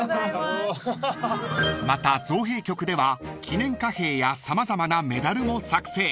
［また造幣局では記念貨幣や様々なメダルも作成］